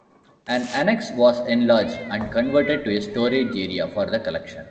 An annex was enlarged and converted to a storage area for the collection.